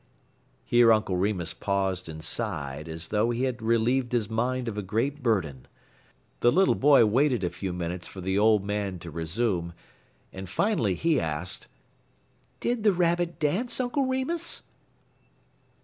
Here Uncle Remus paused and sighed, as though he had relieved his mind of a great burden. The little boy waited a few minutes for the old man to resume, and finally he asked: "Did the Rabbit dance, Uncle Remus?"